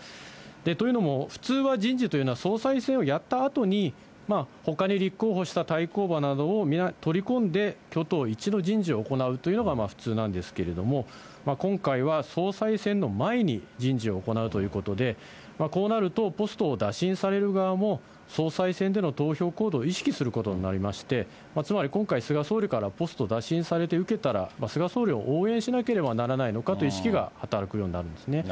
というのも普通は人事というのは、総裁選をやったあとに、ほかに立候補した対抗馬などを皆、取り込んで、挙党一致の人事を行うというのが普通なんですけれども、今回は総裁選の前に人事を行うということで、こうなると、ポストを打診される側も、総裁選での投票行動を意識することになりまして、つまり今回、菅総理からポスト打診されて受けたら、菅総理を応援しなければならないのかという意識が働くようになるんですね。